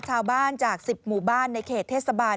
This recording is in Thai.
ชาวบ้านจาก๑๐หมู่บ้านในเขตเทศบาล